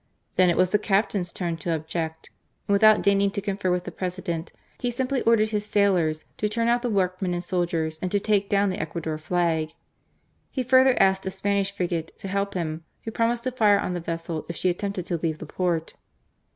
Then it was the captain's turn to object, and without deigning to confer with the President, he simply ordered his sailors to turn out the workmen and soldiers, and to take down the Ecuador flag. He further asked a Spanish frigate to help him, who promised to fire on the vessel if she attempted to leave the port.